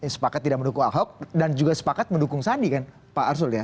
sepakat tidak mendukung ahok dan juga sepakat mendukung sandi kan pak arsul ya